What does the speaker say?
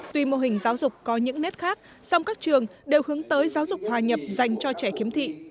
tuy mô hình giáo dục có những nét khác song các trường đều hướng tới giáo dục hòa nhập dành cho trẻ khiếm thị